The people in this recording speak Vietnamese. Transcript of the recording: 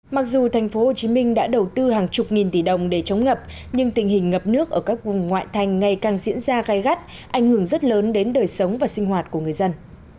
mặc dù thành phố hồ chí minh đã đầu tư hàng chục nghìn tỷ đồng để chống ngập nhưng tình hình ngập nước ở các vùng ngoại thành ngày càng diễn ra gai gắt ảnh hưởng rất lớn đến đời sống và sinh hoạt của người dân